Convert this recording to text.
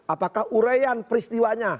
apakah urean peristiwanya